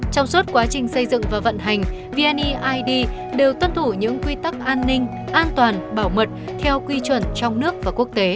trong suốt quá trình xây dựng và vận hành vneid đều tuân thủ những quy tắc an ninh an toàn bảo mật theo quy chuẩn trong nước và quốc tế